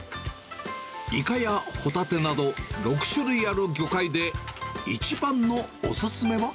イカやホタテなど６種類ある魚介で、一番のお勧めは。